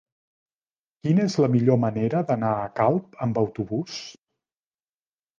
Quina és la millor manera d'anar a Calp amb autobús?